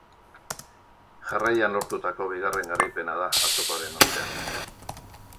Jarraian lortutako bigarren garauipena da, atzokoaren ostean.